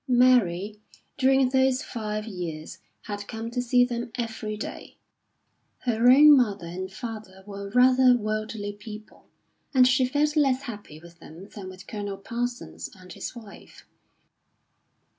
Mary, during those five years, had come to see them every day; her own mother and father were rather worldly people, and she felt less happy with them than with Colonel Parsons and his wife.